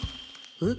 えっ。